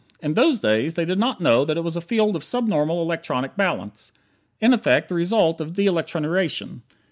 In those days they did not know that it is a field of subnormal electronic balance in effect, the result of de electroniration.